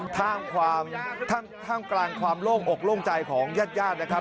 ท่ามกลางความโล่งอกโล่งใจของญาติญาตินะครับ